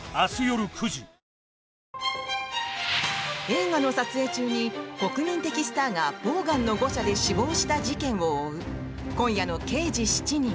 映画の撮影中に国民的スターがボウガンの誤射で死亡した事件を追う今夜の「刑事７人」。